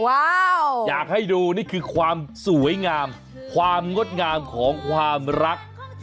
ว้าวอยากให้ดูนี่คือความสวยงามความงดงามของความรัก